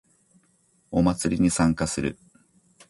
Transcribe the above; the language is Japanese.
お祭りに参加する